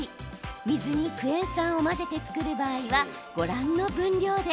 水にクエン酸を混ぜて作る場合はご覧の分量で。